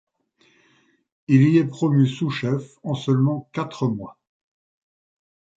Il y est promu sous-chef en seulement quatre mois.